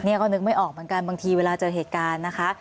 นี่ก็นึกไม่ออกเหมือนกันบางทีเวลาเจอเหตุการณ์นะคะ